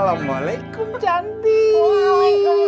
ke shameless nggak mungkin